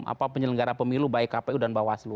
apa penyelenggara pemilu baik kpu dan bawaslu